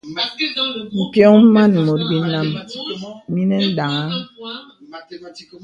M̀pyōŋ màn mùt binām mìnə̀ daŋ̄aŋ.